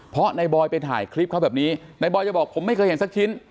เพราะนายบอยไปถ่ายคลิปเขาแบบนี้นายบอยจะบอกผมไม่เคยเห็นสักชิ้น